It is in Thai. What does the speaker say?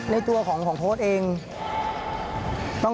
ในตัวของโค้ชเอง